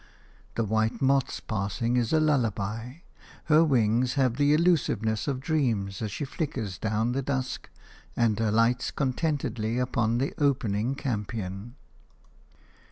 The white moth's passing is a lullaby; her wings have the elusiveness of dreams as she flickers down the dusk and alights contentedly upon the opening campion.